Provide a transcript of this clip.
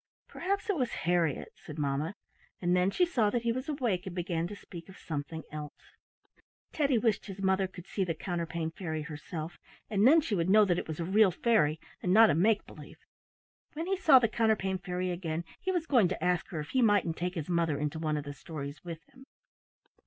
"Perhaps it was Harriett," said mamma, and then she saw that he was awake and began to speak of something else. Teddy wished his mother could see the Counterpane Fairy herself, and then she would know that it was a real fairy and not a make believe. When he saw the Counterpane Fairy again he was going to ask her if he mightn't take his mother into one of the stories with him.